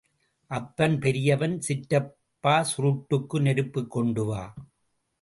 அப்பன் பெரியவன் சிற்றப்பா சுருட்டுக்கு நெருப்புக் கொண்டு வா.